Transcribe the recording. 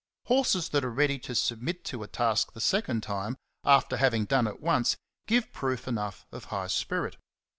Horses that are ready to submit to a task the second time, after having done it once, give proof enough of high spirit.